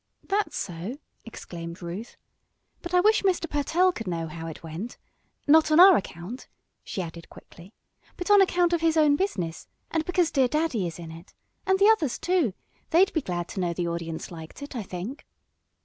"That's so!" exclaimed Ruth. "But I wish Mr. Pertell could know how well it went. Not on our account," she added quickly, "but on account of his own business, and because dear daddy is in it. And the others, too they'd be glad to know the audience liked it, I think."